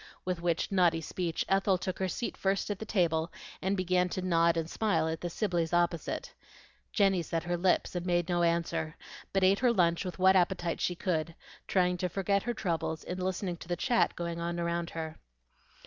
With which naughty speech Ethel took her seat first at the table, and began to nod and smile at the Sibleys opposite. Jenny set her lips and made no answer, but ate her lunch with what appetite she could, trying to forget her troubles in listening to the chat going on around her.